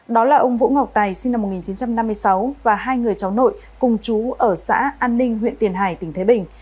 đó là ông vũ ngọc tài sinh năm một nghìn chín trăm năm mươi sáu và hai người cháu nội cùng chú ở xã an ninh huyện tiền hải tỉnh thái bình